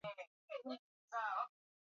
Heshima na utukufu